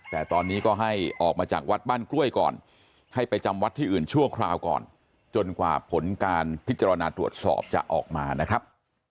แต่ตอนนี้ก็ให้ออกมาจากวัดบ้านกล้วยก่อนให้ไปจำวัดที่อื่นชั่วคราวก่อนจนกว่าผลการพิจารณาตรวจสอบจะออกมานะครับ